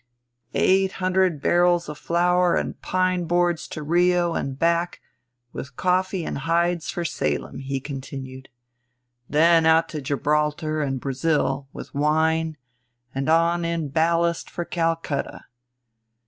"Eight hundred barrels of flour and pine boards to Rio and back with coffee and hides for Salem," he continued; "then out to Gibraltar and Brazil with wine and on in ballast for Calcutta.